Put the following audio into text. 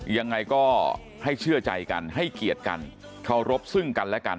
ยังไงก็ให้เชื่อใจกันให้เกียรติกันเคารพซึ่งกันและกัน